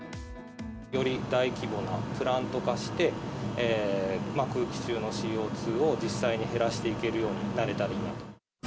より大規模なプラント化して、空気中のＣＯ２を実際に減らしていけるようになれたらいいなと。